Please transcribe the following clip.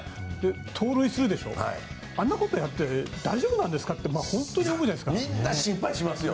盗塁するでしょあんなことやってて大丈夫なんですかって思うじゃないですか。